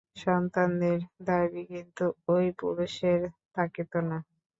সন্তানদের দাবী কিন্তু ঐ পুরুষের থাকিত না।